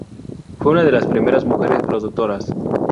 Fue una de las primeras mujeres productoras.